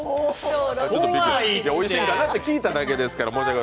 おいしいかって聞いただけですから。